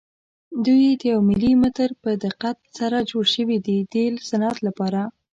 دوی د یو ملي متر په دقت سره جوړ شوي دي د صنعت لپاره.